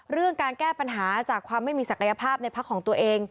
เรื่องการแก้ปัญหาจากความไม่มีศักยภาพในพักของตัวเอง